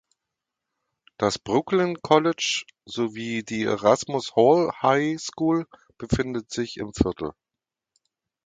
Das Brooklyn College sowie die Erasmus Hall High School befinden sich im Viertel.